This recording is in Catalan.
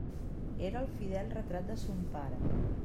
Era el fidel retrat de son pare.